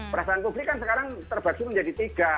perasaan publik kan sekarang terbagi menjadi tiga